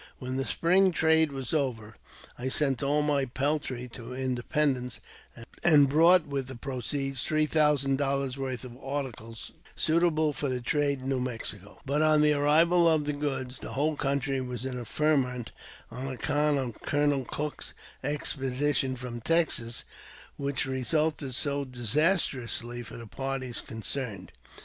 When the spring trade was over, I sent all my peltry to Independence, and bought with the proceeds three thousand doUars worth of articles, suitable for the trade in New Mexico. IBut, on the arrival of the goods, the whole country was in a ferment on account of Colonel Cook's expedition from Texas, which resulted so disastrously for the parties concerned.